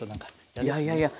いやいやいや。